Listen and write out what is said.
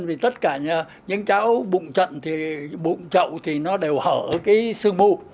vì tất cả những cháu bụng trận thì bụng trậu thì nó đều ở cái xương mu